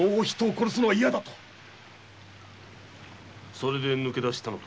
それで抜け出したのか。